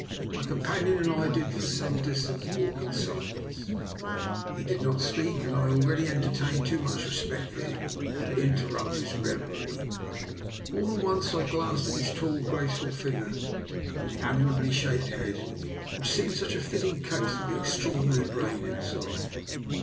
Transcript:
My companion and I, for some distance, walked in silence. He did not speak, and I already entertained too much respect for him to interrupt his reverie. More than once I glanced at his tall grace 64 DR NIKOLA'S EXPERIMENT; ful figure, and the admirably shaped head, which seemed such a fitting case for the ex traordinary brain inside.